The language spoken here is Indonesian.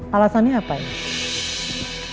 alasannya apa ini